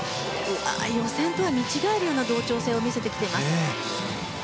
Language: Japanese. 予選とは見違えるような同調性を見せてきています。